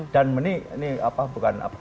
dan ini apa bukan apa